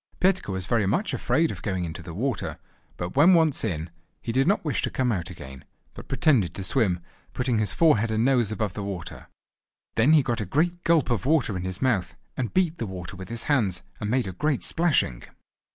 Petka was very much afraid of going into the water, but when once in, he did not wish to come out again, but pretended to swim, putting his forehead and nose above the water. Then he got a great gulp of water in his mouth, and beat the water with his hands and made a great splashing.